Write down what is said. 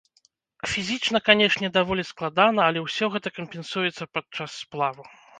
Фізічна, канешне, даволі складана, але ўсё гэта кампенсуецца падчас сплаву.